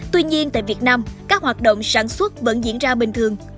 tuy nhiên tại việt nam các hoạt động sản xuất vẫn diễn ra bình thường